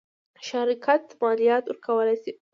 شرکت مالیات ورکولی شي.